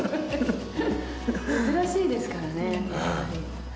珍しいですからね。